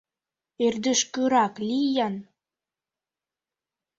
ӧрдыжкырак лий-ян.